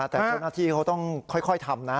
แต่เจ้าหน้าที่เขาต้องค่อยทำนะ